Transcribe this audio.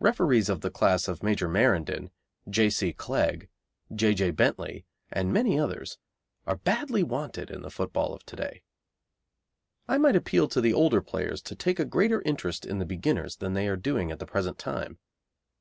Referees of the class of Major Marindin, J. C. Clegg, J. J. Bentley, and many others, are badly wanted in the football of to day. I might appeal to the older players to take a greater interest in the beginners than they are doing at the present time.